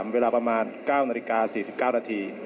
เวลาประมาณ๙นาฬิกา๔๙นาที